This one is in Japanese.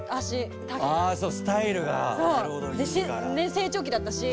成長期だったし。